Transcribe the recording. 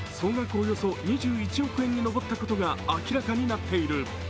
およそ２１億円に上ったことが明らかになっている。